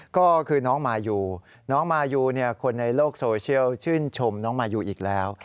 ก็คือน้องมายูน้องมายูคนในโลกโซเชียลชื่นชมน้องมายูอีกแล้ว